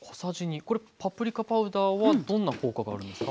これパプリカパウダーはどんな効果があるんですか？